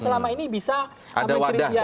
selama ini bisa ada wadah